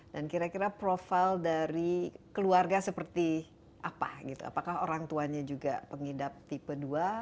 dan kira kira profil dari keluarga seperti apa gitu apakah orang tuanya juga pengidap tipe dua